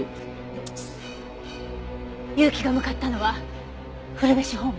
結城が向かったのは古辺市方面。